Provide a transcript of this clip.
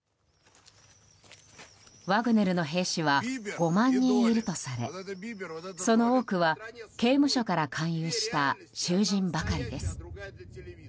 ワグネルの兵士は５万人いるとされその多くは刑務所から勧誘した囚人ばかりです。